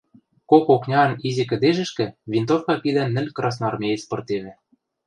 Кок окняан изи кӹдежӹшкӹ винтовка кидӓн нӹл красноармеец пыртевӹ.